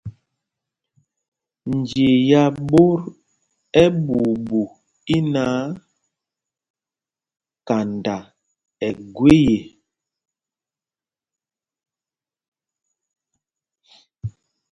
Njea ɓot ɛɓuuɓu í náǎ, kanda ɛ́ gwee ê.